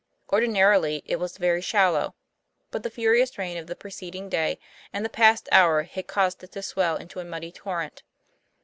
Ordinarily it was very shallow, but the furious rain of the preceding day and the past hour had caused it to swell into a muddy torrent.